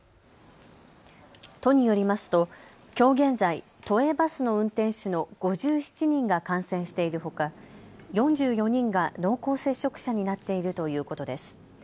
都によりますときょう現在、都営バスの運転手の５７人が感染しているほか４４人が濃厚接触者になっているということです。